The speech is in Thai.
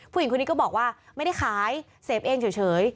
ผู้หญิงคนนี้ก็บอกว่าไม่ได้ขายเสพเองเฉย